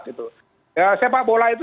sebab sepak bola itu